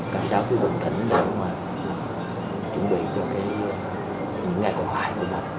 các cháu cứ bình tĩnh để chuẩn bị cho những ngày còn lại của mẹ